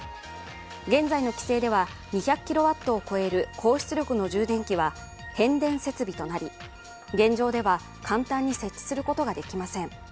現在の規制では２００ｋＷを超える高出力の充電器は変電設備となり、現状では簡単に設置することができません。